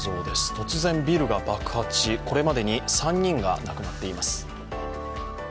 突然ビルが爆発しこれまでに３人が亡くなっています。